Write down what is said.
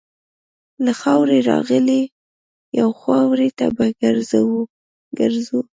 له خاورې راغلي یو، خاورې ته به ګرځو.